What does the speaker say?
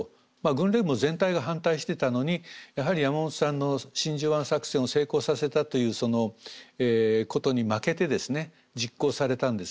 軍令部も全体が反対してたのにやはり山本さんの真珠湾作戦を成功させたということに負けてですね実行されたんですね。